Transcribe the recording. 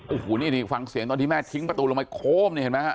โอ้โหนี่ฟังเสียงตอนที่แม่ทิ้งประตูลงไปโค้มนี่เห็นไหมฮะ